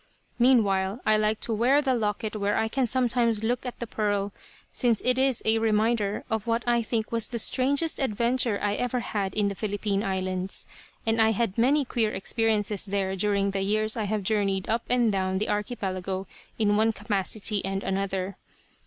Meanwhile I like to wear the locket where I can sometimes look at the pearl, since it is a reminder of what I think was the strangest adventure I ever had in the Philippine Islands. And I had many queer experiences there during the years I have journeyed up and down the archipelago in one capacity and another.